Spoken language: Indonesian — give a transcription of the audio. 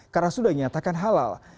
karena sudah dinyatakan halal